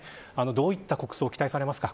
どういった国葬を期待されますか。